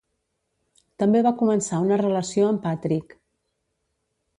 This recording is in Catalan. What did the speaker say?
També va començar una relació amb Patrick.